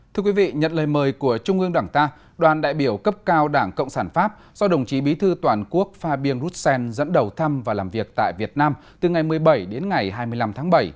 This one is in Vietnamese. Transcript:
thưa quý vị nhận lời mời của trung ương đảng ta đoàn đại biểu cấp cao đảng cộng sản pháp do đồng chí bí thư toàn quốc fabien roussen dẫn đầu thăm và làm việc tại việt nam từ ngày một mươi bảy đến ngày hai mươi năm tháng bảy